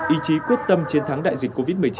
ý chí quyết tâm chiến thắng đại dịch covid một mươi chín